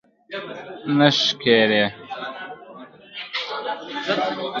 نه ښېګړه